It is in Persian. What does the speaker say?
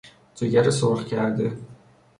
جگر سرخ کرده